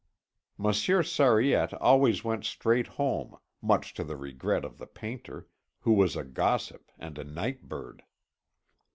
Monsieur Sariette always went straight home, much to the regret of the painter, who was a gossip and a nightbird.